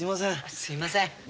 すいません。